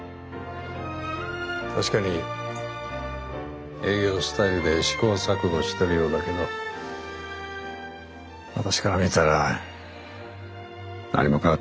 確かに営業スタイルで試行錯誤しているようだけど私から見たら何も変わってない。